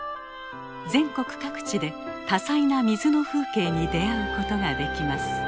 全国各地で多彩な水の風景に出会うことができます。